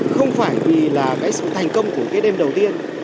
không phải vì là cái sự thành công của cái đêm đầu tiên